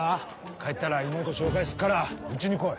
帰ったら妹紹介すっからうちに来い。